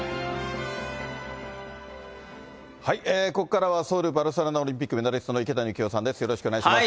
ここからはソウル、バルセロナオリンピックメダリストの池谷幸雄さんです、よろしくお願いします。